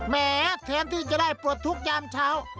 แหมเทนที่จะได้ปวดทุกยามเช้า